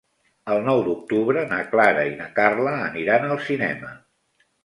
El nou d'octubre na Clara i na Carla aniran al cinema.